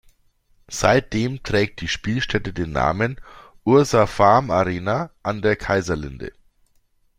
Seitdem trägt die Spielstätte den Namen "Ursapharm-Arena an der Kaiserlinde".